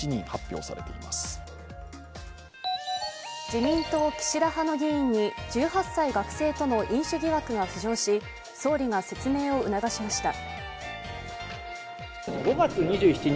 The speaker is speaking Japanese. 自民党・岸田派の議員に１８歳学生との飲酒疑惑が浮上し、総理が説明を促しました。